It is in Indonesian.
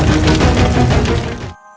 tidak ada yang keluar lagi